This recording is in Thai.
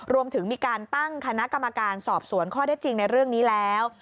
รวมถึงมีการตั้งคณะกรรมการสอบสวนข้อได้จริงในเรื่องนี้แล้ว